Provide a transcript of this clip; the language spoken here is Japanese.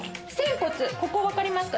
ここ分かりますか？